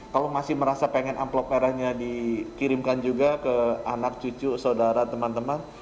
kalau masih merasa pengen amplop merahnya dikirimkan juga ke anak cucu saudara teman teman